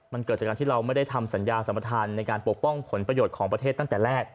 มันเกิดจากการที่เราไม่ได้ทำสัญญาสัมประธานในการปกป้องผลประโยชน์ของประเทศตั้งแต่แรก